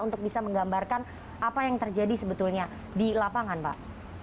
untuk bisa menggambarkan apa yang terjadi sebetulnya di lapangan pak